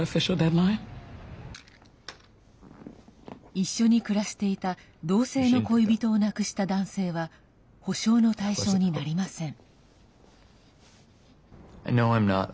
一緒に暮らしていた同性の恋人を亡くした男性は補償の対象になりません。